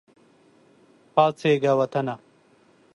پاڅیږه وطنه !